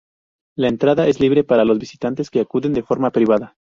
La entrada es libre para los visitantes que acuden de forma privada.